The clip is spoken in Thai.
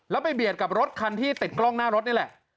แล้วไปเบียดกับรถคันที่ติดกล้องหน้ารถนี่แหละ